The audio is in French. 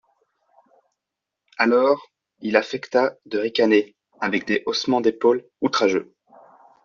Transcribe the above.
Alors, il affecta de ricaner, avec des haussements d'épaules outrageux.